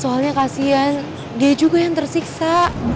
soalnya kasian dia juga yang tersiksa